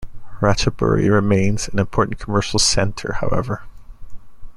Ratchaburi remains an important commercial centre, however.